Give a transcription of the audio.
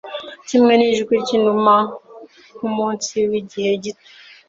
Kimwe nijwi ryinuma nkumunsi wigihe gito